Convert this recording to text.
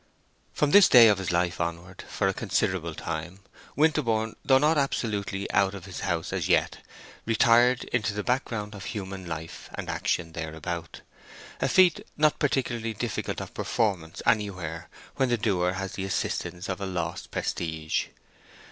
From this day of his life onward for a considerable time, Winterborne, though not absolutely out of his house as yet, retired into the background of human life and action thereabout—a feat not particularly difficult of performance anywhere when the doer has the assistance of a lost prestige.